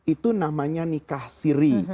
itu namanya nikah siri